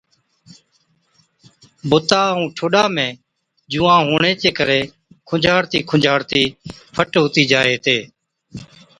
بُتا ائُُون ٺوڏا ۾ جُوئان هُوَڻي چي ڪري کُنجھاڙتِي کُنجھاڙتِي فٽ هُتِي جائي هِتي۔